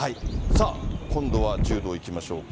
今度は柔道いきましょうか。